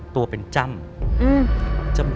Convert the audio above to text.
ตัวเป็นจ้ำ